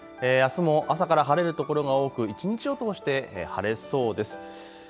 あすも朝から晴れる所が多く一日を通して晴れそうです。